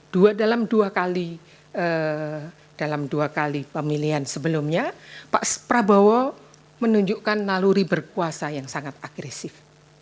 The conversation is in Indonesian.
dalam dua kali pemilihan sebelumnya pak prabowo menunjukkan naluri berkuasa yang sangat agresif